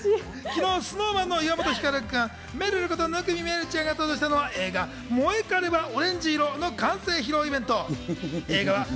昨日、ＳｎｏｗＭａｎの岩本照君、めるること生見愛瑠さんが登場したのは、映画『モエカレはオレンジ色』の完成披露イベント。